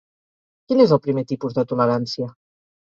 Quin és el primer tipus de tolerància?